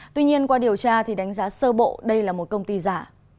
tuy nhiên qua điều tra thì đánh giá sơ bộ đây là một công ty giả